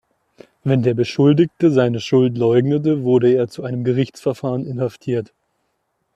Wenn der Beschuldigte seine Schuld leugnete, wurde er bis zu einem Gerichtsverfahren inhaftiert.